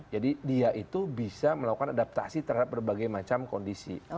jadi dia itu bisa melakukan adaptasi terhadap berbagai macam kondisi